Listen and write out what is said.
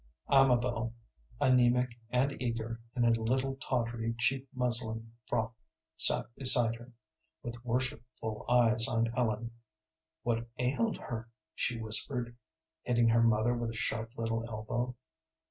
Amabel, anæmic and eager in a little, tawdry, cheap muslin frock, sat beside her, with worshipful eyes on Ellen. "What ailed her?" she whispered, hitting her mother with a sharp little elbow.